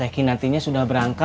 pak tekin nantinya sudah berangkat